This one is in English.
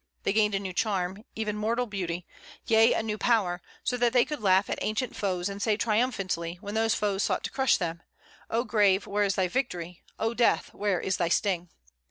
They gained a new charm, even moral beauty, yea, a new power, so that they could laugh at ancient foes, and say triumphantly, when those foes sought to crush them, "O Grave, where is thy victory? O Death, where is thy sting?"